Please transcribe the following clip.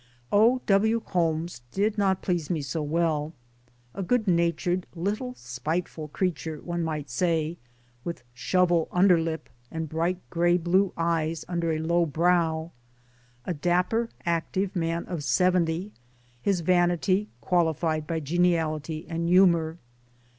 O. W. Holmes did not please me so well a good natured little spiteful creature, one might say, with shovel underlip and bright grey blue eyes under a low brow, a dapper active man of seventy his vanity qualified by geniality and humour.